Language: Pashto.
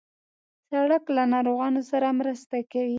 سړک له ناروغانو سره مرسته کوي.